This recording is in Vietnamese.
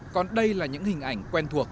còn đây là những hình ảnh quen thuộc